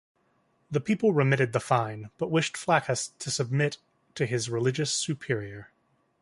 The people remitted the fine but wished Flaccus to submit to his religious superior.